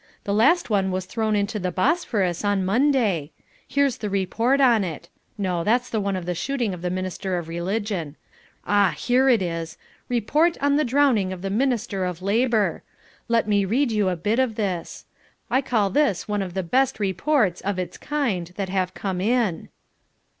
The last one was thrown into the Bosphorous on Monday. Here's the report on it no, that's the one on the shooting of the Minister of Religion ah! here it is Report on the Drowning of the Minister of Labour. Let me read you a bit of this: I call this one of the best reports, of its kind, that have come in."